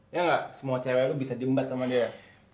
ya gak semua cewe lu bisa diembat sama dia